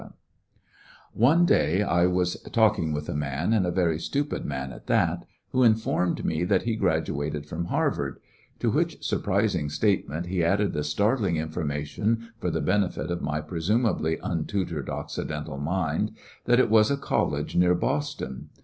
77te location of One day I was talking with a man^ and a very stupid man at that, who informed me that he graduated from Harvard ; to which surprising statement he added the startling information, for the benefit of my presumably untutored occidental mind, that it was a college near Boston